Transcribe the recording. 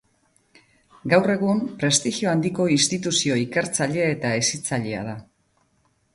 Gaur egun prestigio handiko instituzio ikertzaile eta hezitzailea da.